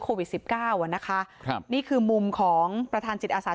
โควิดสิบเก้าอ่ะนะคะครับนี่คือมุมของประธานจิตอาสา